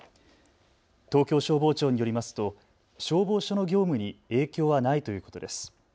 東京消防庁によりますと消防署の業務に影響はないということです。